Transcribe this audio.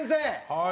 はい！